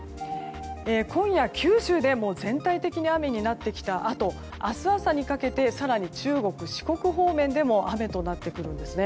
今夜、九州で全体的に雨になってきたあと明日朝にかけて更に中国、四国方面でも雨となってくるんです。